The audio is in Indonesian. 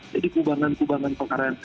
jadi kubangan kubangan pengarahan